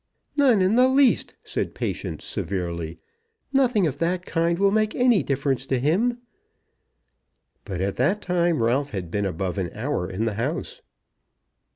"None in the least," said Patience, severely. "Nothing of that kind will make any difference to him." But at that time Ralph had been above an hour in the house.